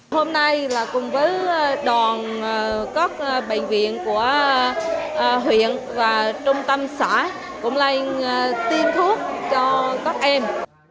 hôm nay là cùng với đoàn các bệnh viện của huyện và trung tâm xã cũng lên tiêm thuốc cho các em